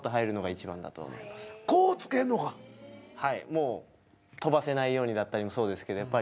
もう跳ばせないようにだったりもそうですけどやっぱり。